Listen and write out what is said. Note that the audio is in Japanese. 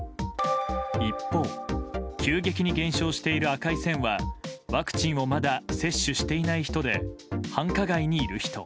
一方、急激に減少している赤い線はワクチンをまだ接種していない人で繁華街にいる人。